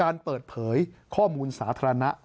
การเปิดเผยข้อมูลสาธารณะ